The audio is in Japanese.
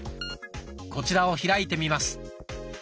こちらを開いてみます。